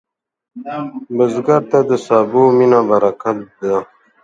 بزګر ته د سبو مینه برکت ده